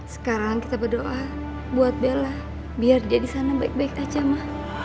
sekarang kita berdoa buat bela biar dia disana baik baik aja ma